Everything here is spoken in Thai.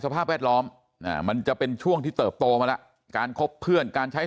สภาพแวดล้อมมันจะเป็นช่วงที่เติบโตมาแล้วการคบเพื่อนการใช้